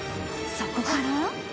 そこから。